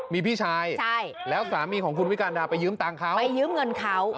มีพี่ชายแล้วสามีของคุณวิการดาไปยืมตังค์เขาไปยืมเงินเขา